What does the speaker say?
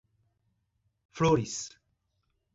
Flores